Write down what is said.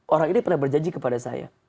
orang ini pernah berjanji kepada saya